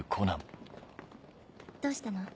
どうしたの？